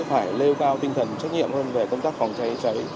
phải nêu cao tinh thần trách nhiệm hơn về công tác phòng cháy cháy